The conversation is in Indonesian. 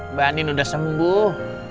mbak andin udah sembuh